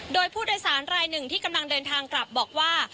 โดยผู้โดยสารรายหนึ่งที่กำลังเดินทางกลับบอกว่า